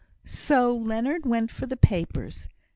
So Leonard went for the papers.